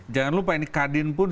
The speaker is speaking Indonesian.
jangan lupa ini kadin pun